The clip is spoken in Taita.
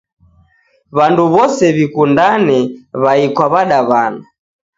W'andu w'ose w'ikundane, wai kwa wadawana